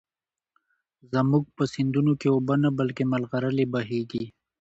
زموږ په سيندونو کې اوبه نه، بلكې ملغلرې بهېږي.